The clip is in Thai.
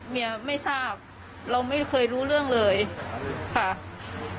เมียไม่ทราบเราไม่เคยรู้เรื่องเลยค่ะ